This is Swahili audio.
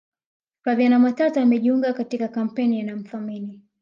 flaviana matata amejiunga katika kampeni ya namthamini